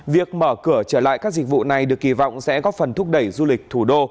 việc mở cửa trở lại các dịch vụ này được kỳ vọng sẽ góp phần thúc đẩy du lịch thủ đô